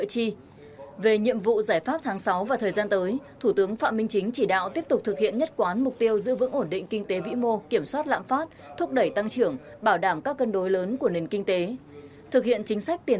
trong vụ giải pháp tháng sáu và thời gian tới thủ tướng phạm minh chính chỉ đạo tiếp tục thực hiện nhất quán mục tiêu giữ vững ổn định kinh tế vĩ mô kiểm soát lãm phát thúc đẩy tăng trưởng bảo đảm các cân đối lớn của nền kinh tế